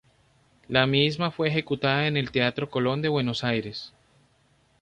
La misma fue ejecutada en el Teatro Colón de Buenos Aires.